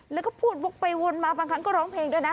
แล้วก็พูดวกไปวนมาบางครั้งก็ร้องเพลงด้วยนะ